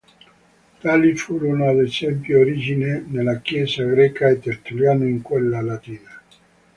Tali furono ad esempio Origene nella Chiesa greca e Tertulliano in quella latina.